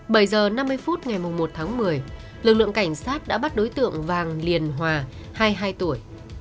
bảy h năm mươi phút ngày một tháng một mươi lực lượng cảnh sát đã bắt đối tượng vàng liền hòa hai mươi hai tuổi